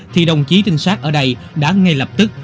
thì đồng chí trinh sát ở đây đã ngay lập tức